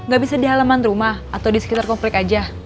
gak bisa di halaman rumah atau di sekitar komplek aja